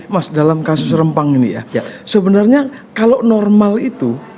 mas dalam kasus rempang ini ya sebenarnya kalau normal itu